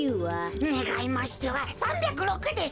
ねがいましては３０６です。